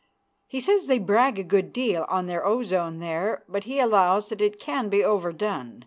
He says they brag a good deal on their ozone there, but he allows that it can be overdone.